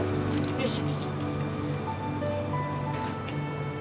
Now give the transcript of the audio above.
よし。